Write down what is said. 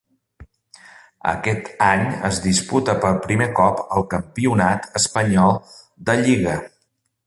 Aquest any es disputa per primer cop el campionat espanyol de Lliga.